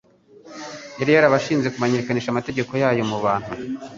Yari yarabashinze kumenyekanisha amategeko yayo mu bantu,